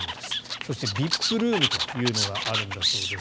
そして、ＶＩＰルームというのがあるんだそうです。